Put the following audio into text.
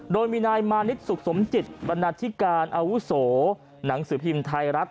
โดยมีนายมานิดสุขสมจิตบรรณาธิการอาวุโสหนังสือพิมพ์ไทยรัฐ